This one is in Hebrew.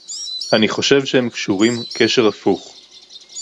אני חושב שהם קשורים קשר הפוך